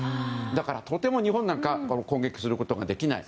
だから、とても日本なんか攻撃することはできない。